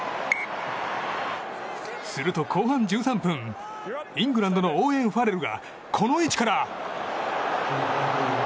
すると、後半１３分イングランドのオーウェン・ファレルがこの位置から。